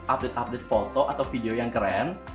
update update foto atau video yang keren